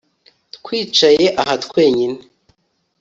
twicaye aha twenyine